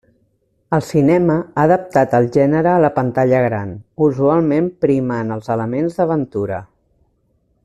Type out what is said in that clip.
El cinema ha adaptat el gènere a la pantalla gran, usualment primant els elements d'aventura.